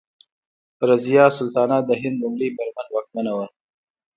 رضیا سلطانه د هند لومړۍ میرمن واکمنه وه.